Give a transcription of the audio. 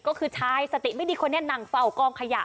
ก็คือชายสติไม่ดีคนนี้นั่งเฝ้ากองขยะ